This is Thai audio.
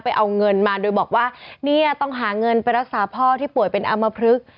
เอาเงินมาโดยบอกว่าเนี่ยต้องหาเงินไปรักษาพ่อที่ป่วยเป็นอำมพลึก